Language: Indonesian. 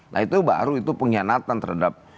nah itu baru itu pengkhianatan terhadap